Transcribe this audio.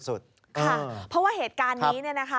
ค่ะเพราะว่าเหตุการณ์นี้นะคะ